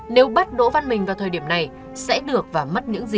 nếu bắt đỗ văn bình vào thời điểm này sẽ được và mất những gì